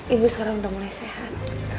ibu sekarang udah mulai sehat